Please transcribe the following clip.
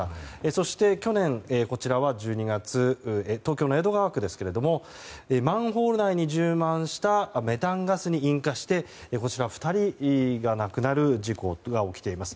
そして、去年１２月東京の江戸川区ですがマンホール内に充満したメタンガスに引火して２人が亡くなる事故が起きています。